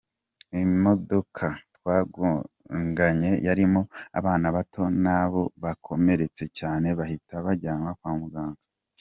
Imodoka twagonganye yarimo abana bato na bo bakomeretse cyane bahita bajyanwa kwa muganga.